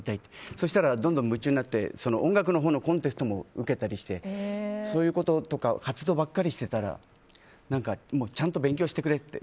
そしたらどんどん夢中になって音楽のほうのコンテストも受けたりしてそういう活動ばかりしてたらちゃんと勉強してくれって。